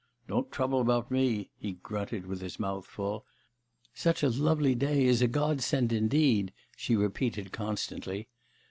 'Don't trouble about me!' he grunted with his mouth full. 'Such a lovely day is a God send, indeed!' she repeated constantly.